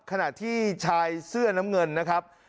ขณะที่ชายเสื้อน้ำเงินนะครับ